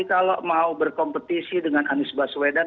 jadi kalau mau berkompetisi dengan anis baswedan